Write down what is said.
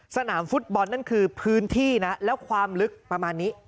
สนามฟุตบอลนั่นคือพื้นที่นะแล้วความลึกประมาณนี้